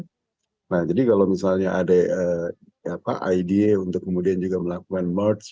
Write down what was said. nah jadi kalau misalnya ada ide untuk kemudian juga melakukan merch